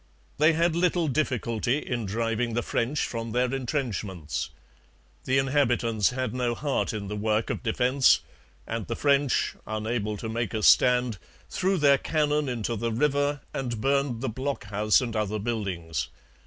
They had little difficulty in driving the French from their entrenchments. The inhabitants had no heart in the work of defence; and the French, unable to make a stand, threw their cannon into the river and burned the blockhouse and other buildings.